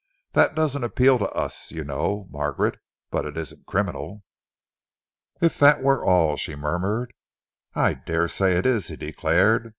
That doesn't appeal to us, you know, Margaret, but it isn't criminal." "If that were all!" she murmured. "I dare say it is," he declared.